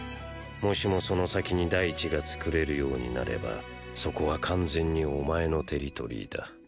もしもその先に大地が作れるようになればそこは完全にお前のテリトリーだ。！